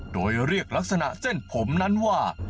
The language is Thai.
โดยเรียกลักษณะเส้นผมนั้นว่า